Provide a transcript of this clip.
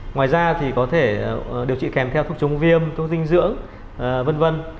ngoài ra thì có thể điều trị kèm theo thuốc chống viêm thuốc dinh dưỡng v v